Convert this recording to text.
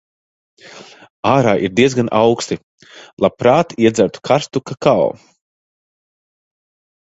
Ārā ir diezgan auksti. Labprāt iedzertu karstu kakao.